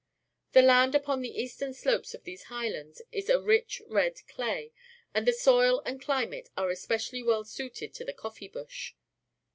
The land upon the eastern slopes of these Highlands is a rich, red clay, and the soil and clunate are especially well suited to the coffee bush.